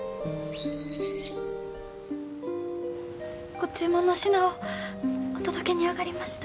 ご注文の品をお届けにあがりました。